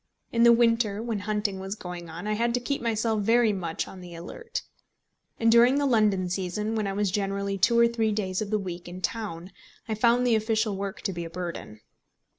In the winter when hunting was going on, I had to keep myself very much on the alert. And during the London season, when I was generally two or three days of the week in town, I found the official work to be a burden.